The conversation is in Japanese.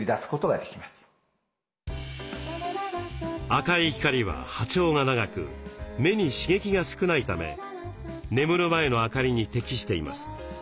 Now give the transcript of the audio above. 赤い光は波長が長く目に刺激が少ないため眠る前の明かりに適しています。